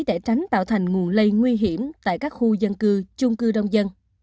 để tránh tạo thành nguồn lây nguy hiểm tại các khu dân cư chung cư đông dân